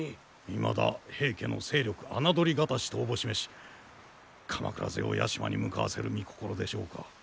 いまだ平家の勢力侮り難しとおぼし召し鎌倉勢を屋島に向かわせるみ心でしょうか。